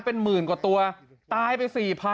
เป็น๑๐๐๐๐กว่าตัวตายไป๔๐๐๐นะ